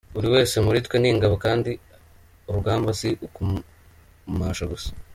Buri wese muri twe ni Ingabo kandi urugamba si ukumasha gusa!